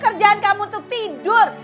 kerjaan kamu itu tidur